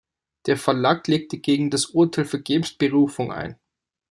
Der Verlag legte gegen das Urteil vergebens Berufung ein.